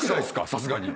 さすがに。